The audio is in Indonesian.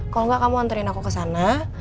kalau nggak kamu anterin aku ke sana